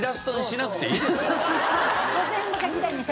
全部書きたいんです。